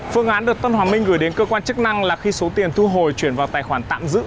phương án được tân hoàng minh gửi đến cơ quan chức năng là khi số tiền thu hồi chuyển vào tài khoản tạm giữ